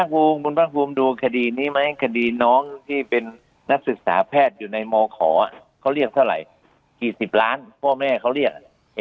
คุณภาคภูมิดูคดีนี้ไหมคดีน้องที่เป็นนักศึกษาแพทย์อยู่ในมขอเขาเรียกเท่าไหร่กี่สิบล้านพ่อแม่เขาเรียก